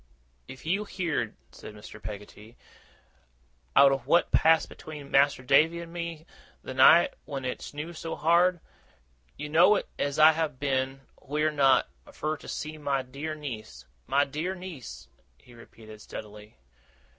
'If you heerd,' said Mr. Peggotty, 'owt of what passed between Mas'r Davy and me, th' night when it snew so hard, you know as I have been wheer not fur to seek my dear niece. My dear niece,' he repeated steadily.